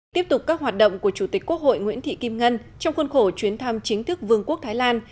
tiếp tục các hoạt động của chủ tịch quốc hội nguyễn thị kim ngân trong khuôn khổ chuyến thăm chính thức vương quốc thái lan